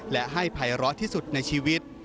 และให้ภัยร้อที่สุดในชีวิต